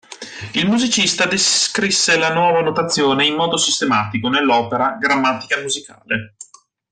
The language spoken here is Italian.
Il musicista descrisse la nuova notazione in modo sistematico nell'opera "Grammatica musicale".